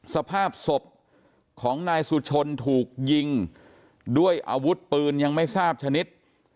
สภาพศพของนายสุชนถูกยิงด้วยอาวุธปืนยังไม่ทราบชนิด